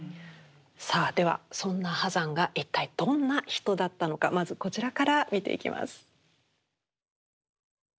さあではそんな波山が一体どんな人だったのかまずこちらから見ていきます。